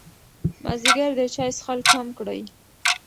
مازدیګر د چای څښل کم کړئ.